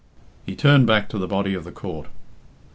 He turned back to the body of the court.